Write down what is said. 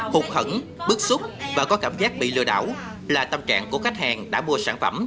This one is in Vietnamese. hụt hẳn bức xúc và có cảm giác bị lừa đảo là tâm trạng của khách hàng đã mua sản phẩm